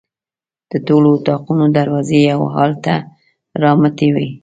د ټولو اطاقونو دروازې یو حال ته رامتې وې.